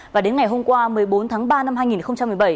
và đến ngày hôm qua một mươi bốn tháng ba năm hai nghìn một mươi bảy